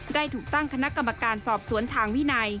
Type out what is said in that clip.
ได้ถูกตั้งคณะกรรมการสอบสวนทางวินัย